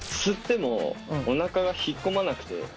吸ってもおなかが引っ込まなくて。